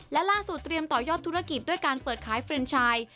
และล่าสุดเตรียมต่อยอดธุรกิจด้วยการเปิดขายเฟรนชาย